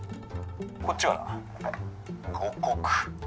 こっちは五石。